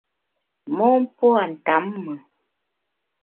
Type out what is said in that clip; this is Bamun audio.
Mon pua’ ntamme.